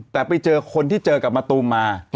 แต่ไปเจอคนที่เจอกับมะตูมมา